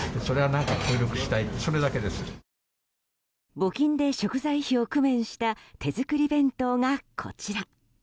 募金で食材費を工面した手作り弁当がこちら。